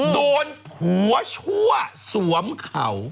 โดนผัวชั่วสวมเขา